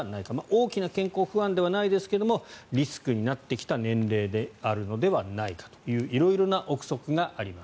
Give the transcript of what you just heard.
大きな健康不安ではないですがリスクになってきた年齢であるのではないかという色々な臆測があります。